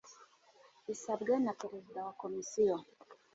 bisabwe na perezida wa komosiyo